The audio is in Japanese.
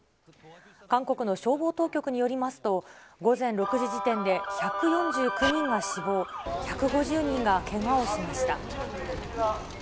韓国の消防当局によりますと、午前６時時点で１４９人が死亡、１５０人がけがをしました。